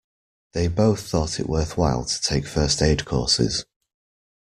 They both thought it worthwhile to take first aid courses.